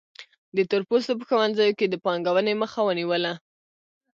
د تور پوستو په ښوونځیو کې د پانګونې مخه ونیوله.